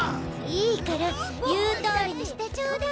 いいから言う通りにしてちょうだい。